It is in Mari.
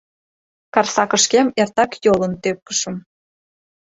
Карсакышкем эртак йолын тӧпкышым.